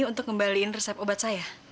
untuk ngembaliin resep obat saya